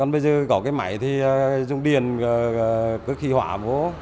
bây giờ có cái máy thì dùng điền cứ khi hỏa vô